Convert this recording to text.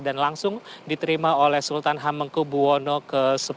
dan langsung diterima oleh sultan hamengku buwono x